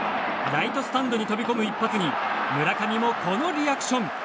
ライトスタンドに飛び込む一発に村上もこのリアクション。